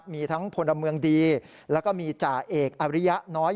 มีทั้งพลเมืองดีแล้วก็มีจ่าเอกอริยะน้อย